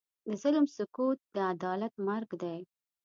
د ظلم سکوت، د عدالت مرګ دی.